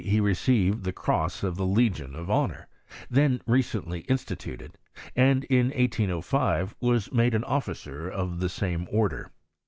Iq 1803 he received the cross of the Legion of Honour, then recently instituted; and in 1S05 was made an officer of the same order.